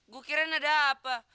gue kirain ada apa